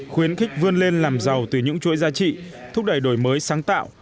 khuyến khích vươn lên làm giàu từ những chuỗi giá trị thúc đẩy đổi mới sáng tạo